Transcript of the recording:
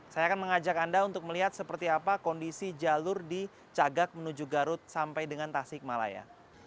saya akan mengajak anda untuk melihat seperti apa kondisi jalur di cagak menuju garut sampai dengan tasik malaya